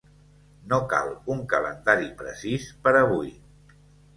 No cal un calendari precís per avui.